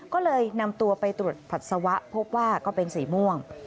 ก็เลยนำตัวไปตรวจปัสสาวะพบว่าก็เป็นสีม่วง